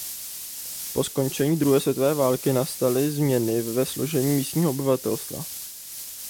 Po skončení druhé světové války nastaly změny ve složení místního obyvatelstva.